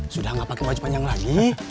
sudah gak pakai wajib panjang lagi